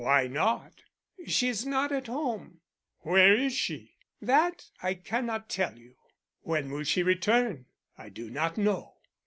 "Why not?" "She is not at home." "Where is she?" "That I cannot tell you." "When will she return?" "I do not know."